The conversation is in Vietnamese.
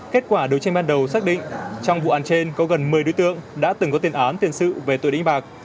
kết quả đối tranh ban đầu xác định trong vụ án trên có gần một mươi đối tượng đã từng có tiền án tiền sự về tội đánh bạc